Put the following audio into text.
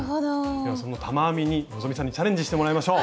ではその玉編みに希さんにチャレンジしてもらいましょう。